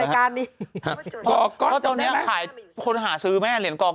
ข้างหน้าขาวลงพื้น